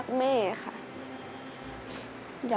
ขอบคุณครับ